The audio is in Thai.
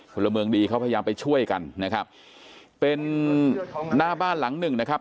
พลเมืองดีเขาพยายามไปช่วยกันนะครับเป็นหน้าบ้านหลังหนึ่งนะครับ